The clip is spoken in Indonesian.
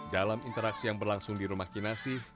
dalam interaksi yang berlangsung di rumah kinasi